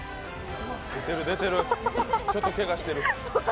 出てる、出てる、ちょっとけがしてる。